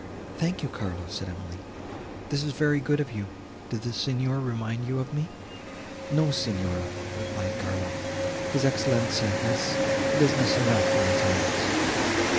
"Thank you, Carlo," said Emily, "this is very good of you. Did the Signor remind you of me?" "No, Signora," replied Carlo, "his Excellenza has business enough on his hands."